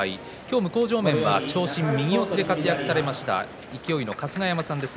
向正面は長身、右四つで活躍された勢の春日山さんです。